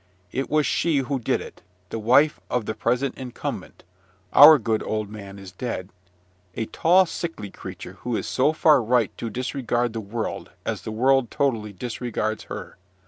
It was she who did it, the wife of the present incumbent (our good old man is dead), a tall, sickly creature who is so far right to disregard the world, as the world totally disregards her.